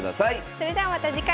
それではまた次回。